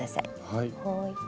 はい。